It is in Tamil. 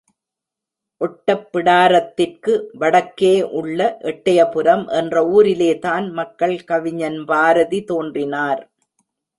ஒட்டப்பிடாரத்திற்கு வடக்கே உள்ள எட்டையபுரம் என்ற ஊரிலேதான், மக்கள் கவிஞன் பாரதி தோன்றினார்.